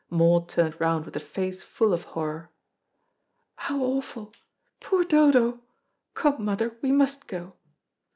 Maud turned round with a face full of horror. "How awful! Poor Dodo! Come, mother, we must go." Mr.